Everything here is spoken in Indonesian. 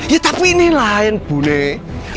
ya tapi ini lain bu nek